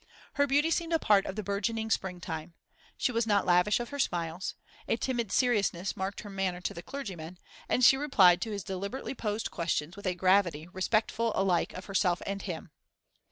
Her beauty seemed a part of the burgeoning spring time, She was not lavish of her smiles; a timid seriousness marked her manner to the clergyman, and she replied to his deliberately posed questions with a gravity respectful alike of herself and of him.